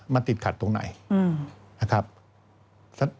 มันติดขัดตรงไหน